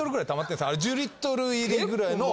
１０リットル入りぐらいの。